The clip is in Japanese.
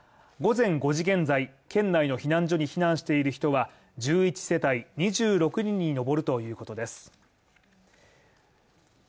午前５時現在、県内の避難所に避難している人が１１世帯２６人に上るということです。